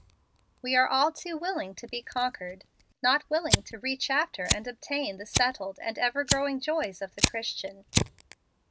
We are all too willing to be con¬ quered, not willing to reach after and obtain the settled and ever growing joys of the Christian.